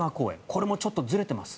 これもちょっとずれてます。